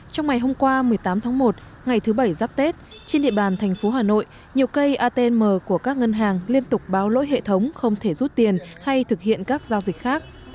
trong ngày hôm qua một mươi tám tháng một ngày thứ bảy dắp tết trên địa bàn thành phố hà nội nhiều cây atm của các ngân hàng liên tục báo lỗi hệ thống không thể rút tiền hay thực hiện các giao dịch khác